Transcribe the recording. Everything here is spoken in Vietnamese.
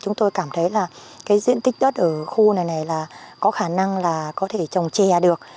chúng tôi cảm thấy là diện tích đất ở khu này có khả năng là có thể trồng chè được